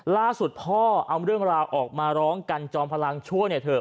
ล่าสุดพ่อเอาเรื่องราวออกมาร้องกันจอมพลังช่วยหน่อยเถอะ